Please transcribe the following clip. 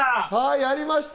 やりました！